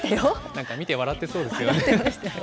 なんか見て笑ってそうですよね。